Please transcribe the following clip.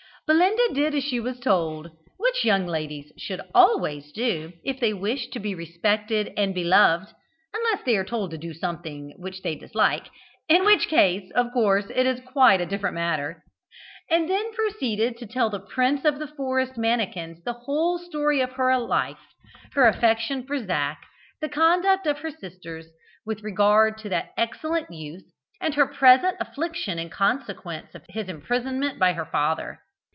Belinda did as she was told (which young ladies should always do, if they wish to be respected and beloved, unless they are told to do something which they dislike, in which case of course it is quite a different matter) and then proceeded to tell the Prince of the Forest Mannikins the whole story of her life, her affection for Zac, the conduct of her sisters with regard to that excellent youth, and her present affliction in consequence of his imprisonment by her father.